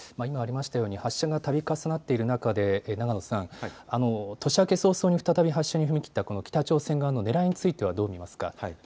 今言いましたように発射がたび重なっている中で年明け早々に再び発射に踏み切ったこの北朝鮮側のねらいについてはどう見ますか。